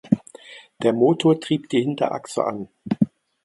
Der Motor trieb die Hinterachse an.